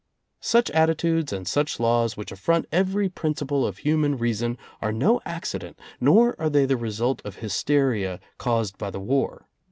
Such attitudes and such laws, which affront every principle of human reason, are no accident, nor are they the result of hysteria caused by the war.